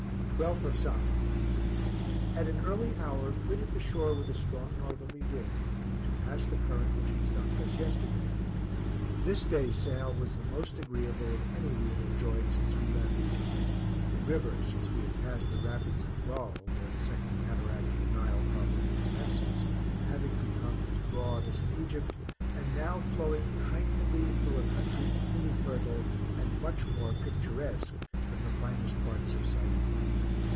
12th of Safa. At an early hour, quitted the shore with a strong northerly wind, to pass the current which had stopped us yesterday. This day's sail was the most agreeable of any we had enjoyed since we left Egypt, the river, since we had passed the rapids of Dall, (where the second cataract of the Nile properly commences,) having become as broad as in Egypt, and now flowing tranquilly through a country equally fertile, and much more picturesque than the finest parts of Said.